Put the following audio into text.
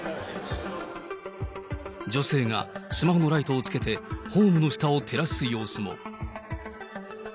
女性がスマホのライトをつけて、ホームの下を照らす様子も。